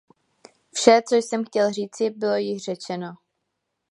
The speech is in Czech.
Vše, co jsem chtěl říci, bylo již řečeno.